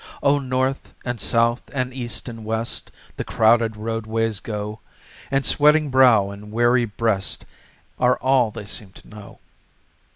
Oh, north and south and east and west The crowded roadways go, And sweating brow and weary breast Are all they seem to know.